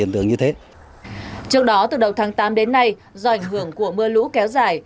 trước đó từ đầu tháng tám đến nay do ảnh hưởng của mưa lũ kéo dài